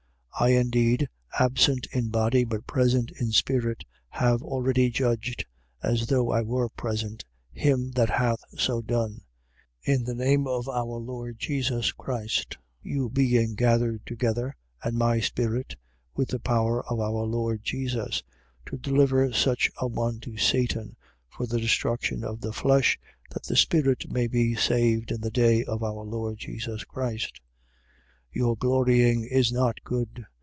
5:3. I indeed, absent in body but present in spirit, have already judged, as though I were present, him that hath so done, 5:4. In the name of our Lord Jesus Christ, you being gathered together and my spirit, with the power of our Lord Jesus: 5:5. To deliver such a one to Satan for the destruction of the flesh, that the spirit may be saved in the day of our Lord Jesus Christ. 5:6. Your glorying is not good.